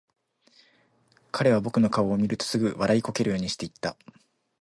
彼は僕の顔を見るとすぐ、笑いこけるようにして言った。